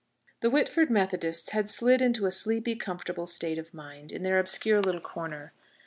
The Whitford Methodists had slid into a sleepy, comfortable state of mind in their obscure little corner.